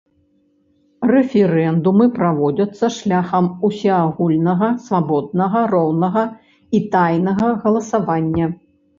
Рэферэндумы праводзяцца шляхам усеагульнага, свабоднага, роўнага і тайнага галасавання.